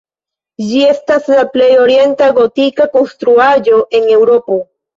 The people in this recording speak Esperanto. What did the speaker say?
Ĝi estas la plej orienta gotika konstruaĵo en Eŭropo.